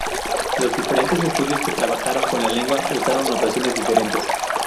Los diferentes estudiosos que trabajaron con la lengua usaron notaciones diferentes.